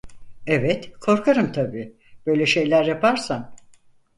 Evet, korkarım tabi, böyle şeyler yaparsan.